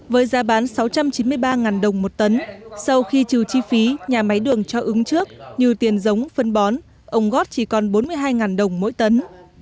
với giá bán sáu trăm chín mươi ba đồng một tấn sau khi trừ chi phí nhà máy đường cho ứng trước như tiền giống phân bón ông gót chỉ còn bốn mươi hai đồng mỗi tấn